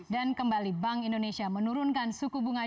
dan kembali bank indonesia menurunkan suku bunga cuan ini